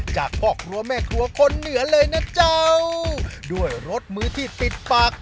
จากพ่อครัวแม่ครัวคนเหนือเลยนะเจ้าด้วยรสมือที่ติดปาก